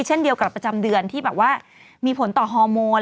เช่นเดียวกับประจำเดือนที่แบบว่ามีผลต่อฮอร์โมน